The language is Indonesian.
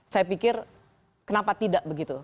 saya pikir kenapa tidak begitu